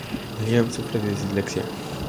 Liam sufre de dislexia.